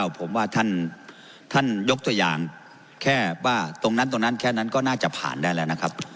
ผมว่าท่านยกตัวอย่างแค่ว่าตรงนั้นตรงนั้นแค่นั้นก็น่าจะผ่านได้แล้วนะครับ